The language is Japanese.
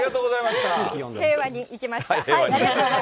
平和にいきました。